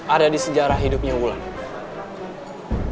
ada di sejarah hidupnya wulan